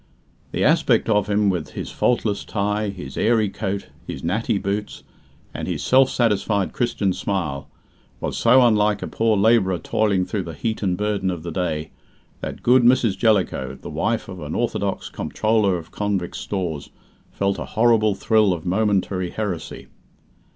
The aspect of him, with his faultless tie, his airy coat, his natty boots, and his self satisfied Christian smile, was so unlike a poor labourer toiling through the heat and burden of the day, that good Mrs. Jellicoe, the wife of an orthodox Comptroller of Convicts' Stores, felt a horrible thrill of momentary heresy.